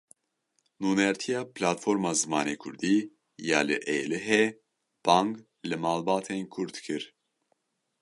Nûnertiya Platforma Zimanê kurdî ya li Êlihê bang li malbatên Kurd kir.